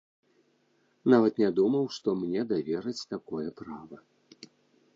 Нават не думаў, што мне давераць такое права.